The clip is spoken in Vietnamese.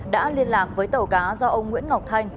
đã liên lạc với tàu cá do ông nguyễn ngọc thanh